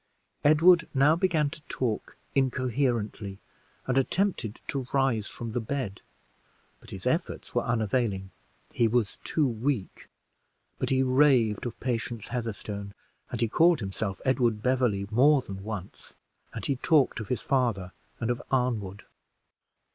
Edward now began to talk incoherently, and attempted to rise from the bed, but his efforts were unavailing he was too weak; but he raved of Patience Heatherstone, and he called himself Edward Beverley more than once, and he talked of his father and of Arnwood.